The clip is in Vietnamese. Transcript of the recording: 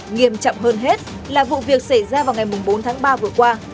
nghiêm trọng hơn hết là vụ việc xảy ra vào ngày bốn tháng ba vừa qua